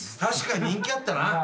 確かに人気あったな。